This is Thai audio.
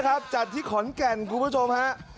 นะครับจัดที่ขอนแก่นคุณผู้ชมฮะ